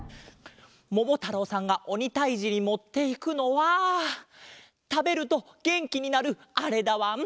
ももたろうさんがおにたいじにもっていくのはたべるとげんきになるあれだわん。